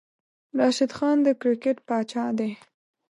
راشد خان د کرکیټ پاچاه دی